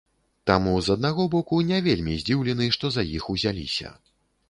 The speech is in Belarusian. Таму, з аднаго боку, не вельмі здзіўлены, што за іх узяліся.